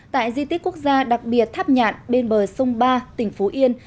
tại di tích quốc gia đặc biệt tháp nhạn bên bờ sông ba tỉnh phú yên